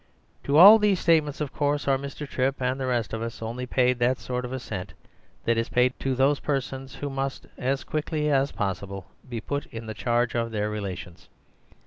To all these statements of course our Mr. Trip and the rest of us only paid that sort of assent that is paid to persons who must as quickly as possible be put in the charge of their relations.